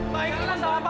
baiklah salah papa